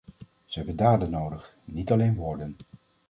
Ze hebben daden nodig, niet alleen woorden.